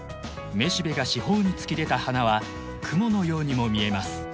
雌しべが四方に突き出た花はクモのようにも見えます。